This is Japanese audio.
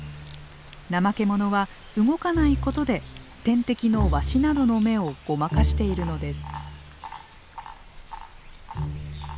ナマケモノは動かないことで天敵のワシなどの目をごまかしているのです。